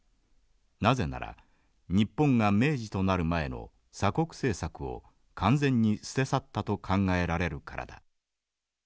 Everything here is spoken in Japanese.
なぜなら日本が明治となる前の鎖国政策を完全に捨て去ったと考えられるからだ。